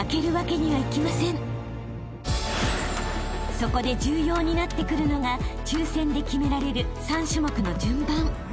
［そこで重要になってくるのが抽選で決められる３種目の順番］